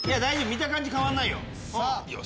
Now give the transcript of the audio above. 見た感じ変わんないよ。